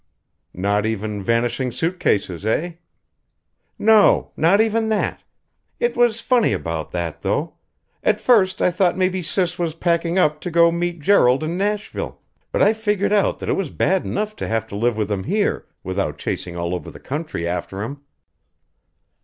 "Not even vanishing suit cases, eh?" "No: not even that. It was funny about that, though. At first I thought maybe Sis was packing up to go meet Gerald in Nashville but I figured out that it was bad enough to have to live with him here without chasing all over the country after him."